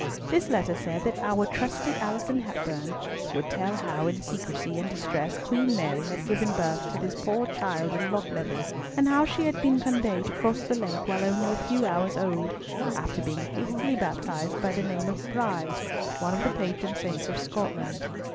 This letter said that "our trusty Alison Hepburn" would tell how in secrecy and distress Queen Mary had given birth to this poor child in Lochleven, and how she had been conveyed across the lake while only a few hours old, after being hastily baptized by the name of Bride, one of the patron saints of Scotland.